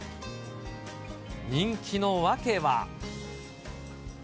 人気の訳は。